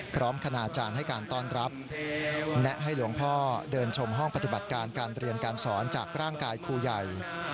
คณาจารย์ให้การต้อนรับแนะให้หลวงพ่อเดินชมห้องปฏิบัติการการเรียนการสอนจากร่างกายครูใหญ่